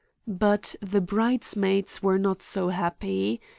"But the bridesmaids were not so happy.